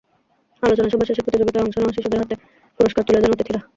আলোচনা সভা শেষে প্রতিযোগিতায় অংশ নেওয়া শিশুদের হাতে পুরস্কার তুলে দেন অতিথিরা।